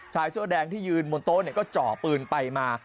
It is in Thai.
ชายเสื้อแดงที่ยืนบนโต๊ะก็เจาะปืนไปมา